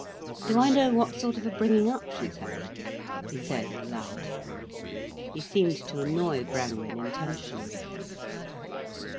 "Do I know what sort of a bringing up she's had?" he said aloud. He seemed to annoy Brangwen intentionally.